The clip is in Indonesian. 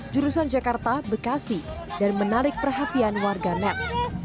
jurusan jakarta bekasi dan menarik perhatian warga net